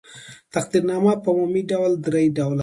تقدیرنامه په عمومي ډول درې ډوله ده.